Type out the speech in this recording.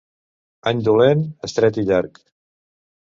Any dolent, estret i llarg.